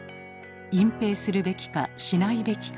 隠蔽するべきかしないべきか。